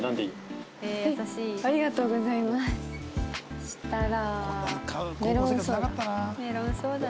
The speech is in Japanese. そうしたら。